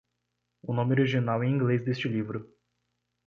O nome original em inglês deste livro